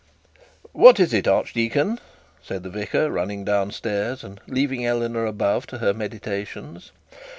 'What is it, archdeacon?' said the vicar, running down stairs, and leaving Eleanor above to her meditations.